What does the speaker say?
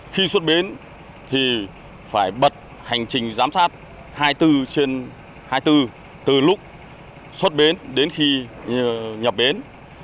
khi xuất bến thì phải bật hành trình giám sát hai mươi bốn trên hai mươi bốn từ lúc xuất bến đến khi nhập bến